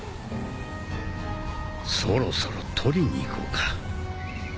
そろそろとりに行こうか。